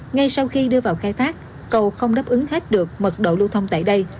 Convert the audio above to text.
ngay sau khi đưa vào khai thác cầu không đáp ứng hết được mật độ lưu thông tại đây